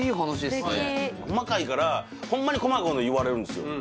もう細かいからホンマにこまごま言われるんですよ